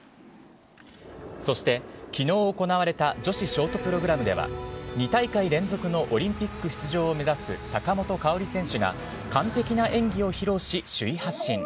そして、昨日行われた女子ショートプログラムでは２大会連続のオリンピック出場を目指す坂本花織選手が完璧な演技を披露し首位発進。